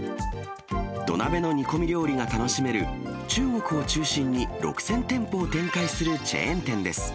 土鍋の煮込み料理が楽しめる中国を中心に６０００店舗を展開するチェーン店です。